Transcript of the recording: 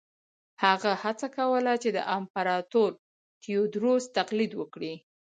هغه هڅه کوله چې د امپراتور تیوودروس تقلید وکړي.